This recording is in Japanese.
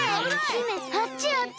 姫あっちあっち！